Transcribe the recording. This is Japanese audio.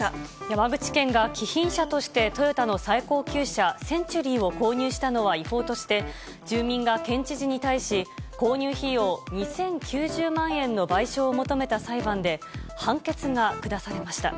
山口県が貴賓車としてトヨタの最高級車、センチュリーを購入したのは違法として、住民が県知事に対し、購入費用２０９０万円の賠償を求めた裁判で、判決が下されました。